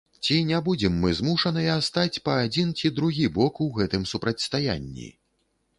Ці не будзем мы змушаныя стаць па адзін ці другі бок у гэтым супрацьстаянні?